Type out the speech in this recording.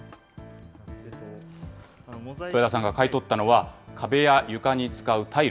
豊田さんが買い取ったのは、壁や床に使うタイル